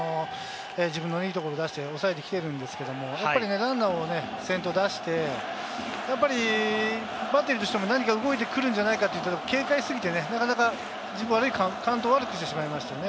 自分のいいところを出して、抑えに来ているんですけれども、やっぱりランナーを先頭出して、やっぱりバッテリーとしても何か動いてくるんじゃないかと警戒しすぎてカウントを悪くしてしまいましたね。